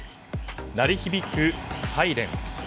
鳴り響くサイレン。